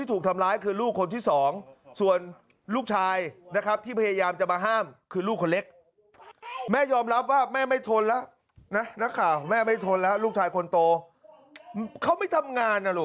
ทุกคนไปรับรวมการกัน